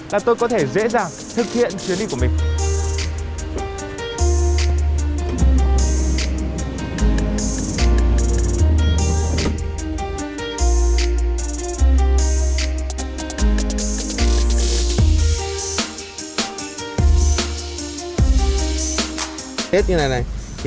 là tôi có thể dễ dàng thực hiện chuyến đi của mình